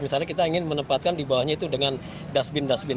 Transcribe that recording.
misalnya kita ingin menempatkan di bawahnya itu dengan dasbin dasbin